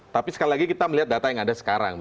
tapi sekali lagi kita melihat data yang ada sekarang